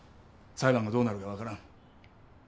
裁判がどうなるか分からん。